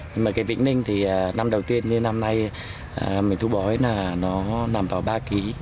nhưng mà cái vĩnh ninh thì năm đầu tiên như năm nay mình thu bói là nó nằm vào ba ký